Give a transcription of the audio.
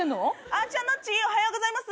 あちゃんのっちおはようございます。